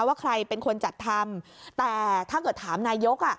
ว่าใครเป็นคนจัดทำแต่ถ้าเกิดถามนายก